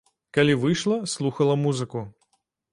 Калі выйшла, слухала музыку.